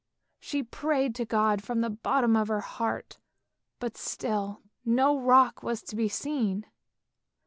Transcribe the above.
She prayed to God from the bottom of her heart, but still no rock was to be seen!